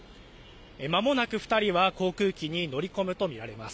まもなく２人は航空機に乗りこむと見られます。